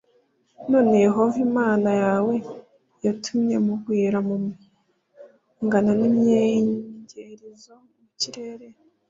none yehova imana yawe yatumye mugwira mungana n’ inyenyeri zo mu kirere